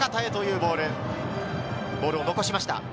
ボールを残しました。